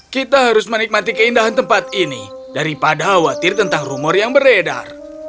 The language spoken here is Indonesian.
kita harus menikmati keindahan tempat ini daripada khawatir tentang rumor yang beredar